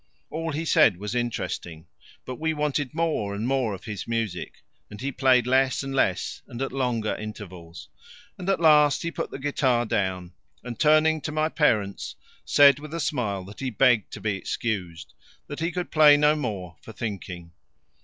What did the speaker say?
All he said was interesting, but we wanted more and more of his music, and he played less and less and at longer intervals, and at last he put the guitar down, and turning to my parents, said with a smile that he begged to be excused that he could play no more for thinking.